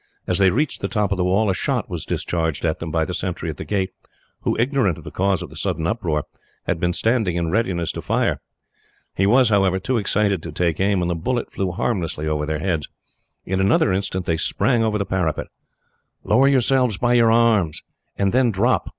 As they reached the top of the wall, a shot was discharged at them by the sentry at the gate, who, ignorant of the cause of the sudden uproar, had been standing in readiness to fire. He was, however, too excited to take aim, and the bullet flew harmlessly over their heads. In another instant, they sprang over the parapet. "Lower yourself by your arms, and then drop."